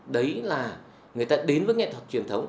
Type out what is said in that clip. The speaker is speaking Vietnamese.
đấy là người ta đến với nghệ thuật truyền thống